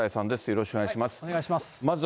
よろしくお願いします。